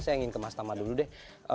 saya ingin ke mas tama dulu deh